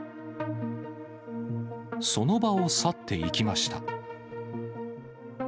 その場を去っていきました。